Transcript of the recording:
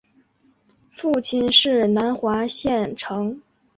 父亲是南华县丞。